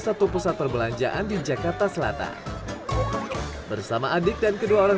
satu pusat perbelanjaan di jakarta selatan bersama adik dan kedua orang